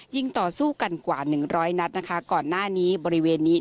ต่อสู้กันกว่าหนึ่งร้อยนัดนะคะก่อนหน้านี้บริเวณนี้